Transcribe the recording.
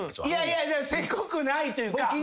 いやいやセコくないというか。